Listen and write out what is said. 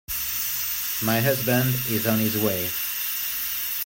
My husband is on his way.